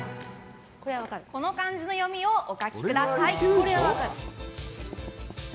この漢字の読みをお書きください。